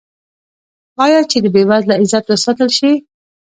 آیا چې د بې وزله عزت وساتل شي؟